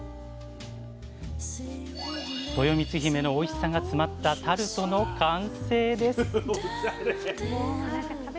とよみつひめのおいしさが詰まったタルトの完成です！